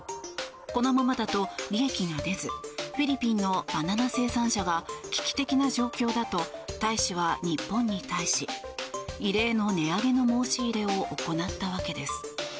このままだと利益が出ずフィリピンのバナナ生産者が危機的な状況だと大使は日本に対し異例の値上げの申し入れを行ったわけです。